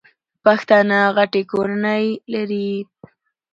پښتانه غټي کورنۍ لري.